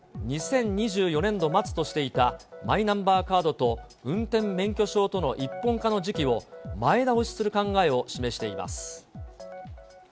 ２０２４年度末としていたマイナンバーカードと運転免許証との一本化の時期をまえだおしするかんがえをない示しています。